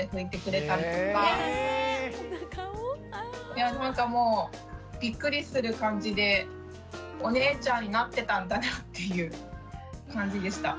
いやなんかもうビックリする感じでお姉ちゃんになってたんだなっていう感じでした。